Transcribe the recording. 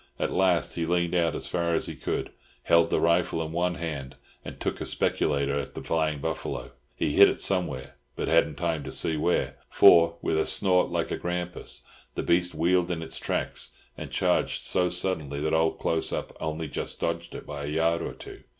At last he leaned out as far as he could, held the rifle in one hand, and took a "speculator" at the flying buffalo. He hit it somewhere, but hadn't time to see where; for, with a snort like a grampus, the beast wheeled in its tracks and charged so suddenly that old Close Up only just dodged it by a yard or two.